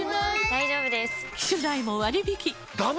大丈夫です！